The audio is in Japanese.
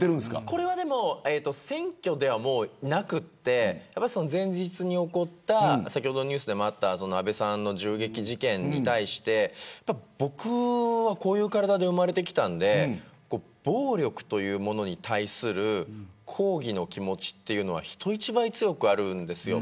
これは、もう選挙ではなくて前日に起こった先ほどのニュースでもあった安倍さん銃撃事件に対して僕はこういう体で生まれてきたので暴力というものに対する抗議の気持ちというのが人一倍、強くあるんですよ。